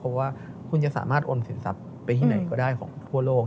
เพราะว่าคุณจะสามารถโอนสินทรัพย์ไปที่ไหนก็ได้ของทั่วโลก